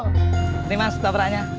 ini mas laparannya